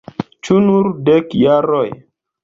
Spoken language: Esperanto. Ĉu nur dek jaroj?